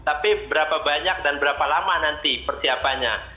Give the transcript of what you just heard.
tapi berapa banyak dan berapa lama nanti persiapannya